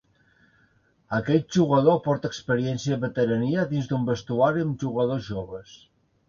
Aquest jugador aporta experiència i veterania dins d'un vestuari amb jugadors joves.